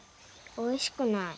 おいしくない。